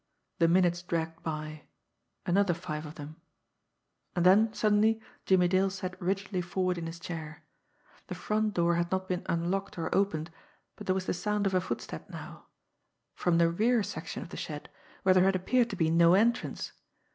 The minutes dragged by, another five of them and then suddenly Jimmie Dale sat rigidly forward in his chair. The front door had not been unlocked or opened, but there was the sound of a footstep now from the rear section of the shed, where there had appeared to be no entrance!